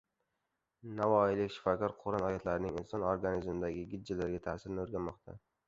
Navoiylik shifokor Qur’on oyatlarining inson organizmidagi gijjalarga ta’sirini o‘rganmoqda